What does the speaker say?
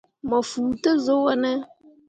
Mo fuu te zuu wo ne ?